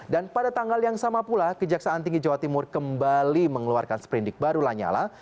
dan pada tanggal yang sama pula kejaksaan tinggi jawa timur kembali mengeluarkan seperindik baru lanyala